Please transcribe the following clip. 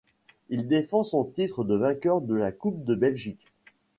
Il défend son titre de vainqueur de la Coupe de Belgique.